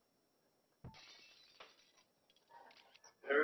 که اساس کلک وي نو ودانۍ کلکه کیږي.